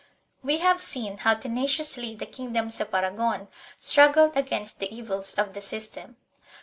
1 We have seen how tenaciously the kingdoms of Aragon struggled against the evils of the system.